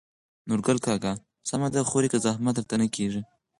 نورګل کاکا: سمه ده خورې که زحمت درته نه کېږي.